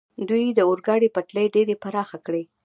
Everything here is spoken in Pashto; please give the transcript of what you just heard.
دوی د اورګاډي پټلۍ ډېرې پراخې کړې.